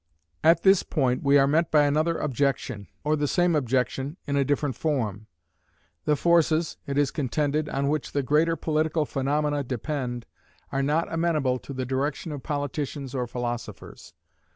At this point we are met by another objection, or the same objection in a different form. The forces, it is contended, on which the greater political phenomena depend, are not amenable to the direction of politicians or philosophers.